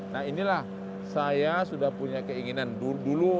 nah inilah saya sudah punya keinginan dulu tuk maaf saya sudah menyampaikan